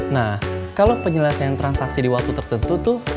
nah kalau penyelesaian transaksi di waktu tertentu tuh